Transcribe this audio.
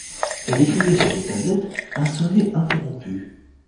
Elle écrivait sur des tablettes un sonnet interrompu.